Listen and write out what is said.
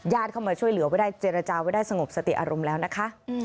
เข้ามาช่วยเหลือไว้ได้เจรจาไว้ได้สงบสติอารมณ์แล้วนะคะ